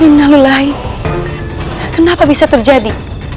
innalulai kenapa bisa terjadi